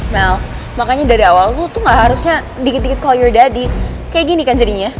mel makanya dari awal lo tuh gak harusnya dikit dikit call your daddy kayak gini kan jadinya